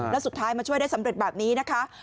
แล้วสุดท้ายมาช่วยได้สำเร็จแบบนี้นะคะ